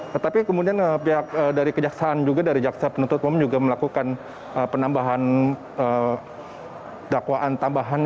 tetapi kemudian pihak dari kejaksaan juga dari jaksa penuntut umum juga melakukan penambahan dakwaan tambahan